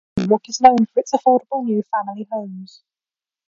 Hinchinbrook is known for its affordable new family homes.